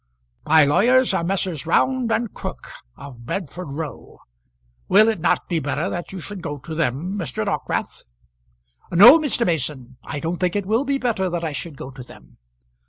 "My lawyers are Messrs. Round and Crook of Bedford Row. Will it not be better that you should go to them, Mr. Dockwrath?" "No, Mr. Mason. I don't think it will be better that I should go to them.